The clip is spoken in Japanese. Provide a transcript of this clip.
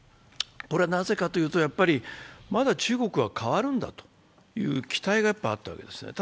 これはなぜかというと、まだ中国は変わるんだという期待があったわけです。